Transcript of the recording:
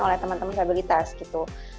oleh teman teman disabilitas gitu